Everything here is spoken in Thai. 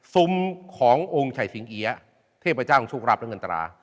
ซุมขององค์ชัยสิงเอี๊ยเทพเจ้าของโชครับและเงินตรา